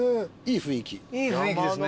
いい雰囲気ですね。